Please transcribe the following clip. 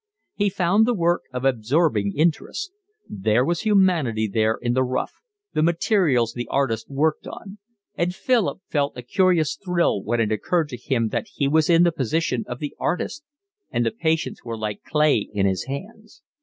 He found the work of absorbing interest. There was humanity there in the rough, the materials the artist worked on; and Philip felt a curious thrill when it occurred to him that he was in the position of the artist and the patients were like clay in his hands.